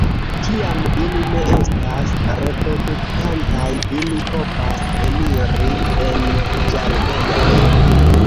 Kiam ili ne estas reproduktantaj, ili povas eniri en ĝardenoj.